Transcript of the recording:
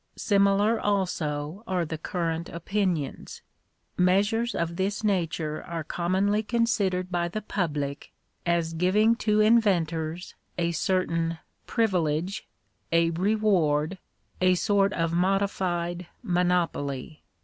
Similar also are the current opinions. Measures of this nature are commonly considered by the public as giving to inventors a certain " privilege," a " reward," a sort of modified " monopoly."